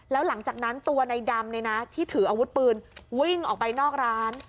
แล้วหลังจากนั้นตัวในดำที่ถืออาวุธปืนวิ่งออกไปนอกร้าน